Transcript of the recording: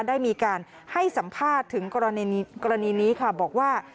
ได้มีการให้สัมภาษณ์ถึงกรณีนี้ค่ะบอกว่า